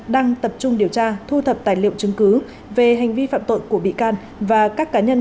đang tập trung điều tra thu thập tài liệu chứng cứ về hành vi phạm tội của bị can và các cá nhân